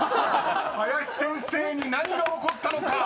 ［林先生に何が起こったのか⁉］